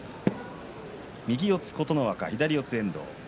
右四つ琴ノ若左四つ遠藤。